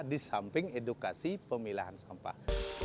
di samping edukasi pemilahan sampah